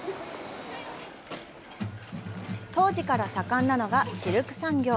当時から盛んなのがシルク産業。